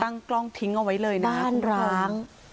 ตั้งกล้องทิ้งเอาไว้เลยนะครับคุณผู้ชม